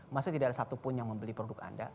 maksudnya tidak ada satupun yang membeli produk anda